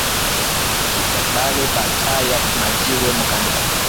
Bali ba chaya ma jiwe mu kanisa